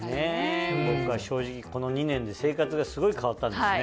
僕は正直この２年で生活がすごい変わったんですね。